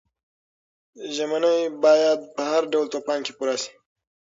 ژمنې باید په هر ډول طوفان کې پوره شي.